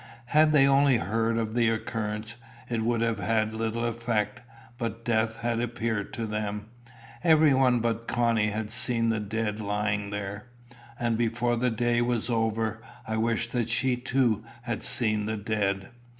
Had they only heard of the occurrence, it would have had little effect; but death had appeared to them. Everyone but Connie had seen the dead lying there; and before the day was over, I wished that she too had seen the dead.